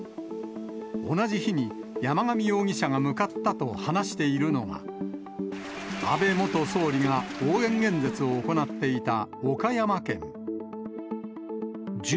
同じ日に、山上容疑者が向かったと話しているのが、安倍元総理が応援演説を銃を持っていった。